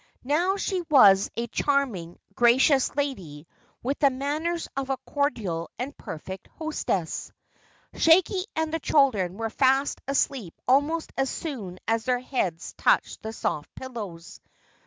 Now she was a charming, gracious lady with the manners of a cordial and perfect hostess. Shaggy and the children were fast asleep almost as soon as their heads touched the soft pillows.